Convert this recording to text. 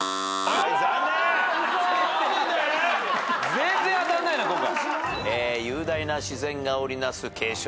全然当たんないな今回。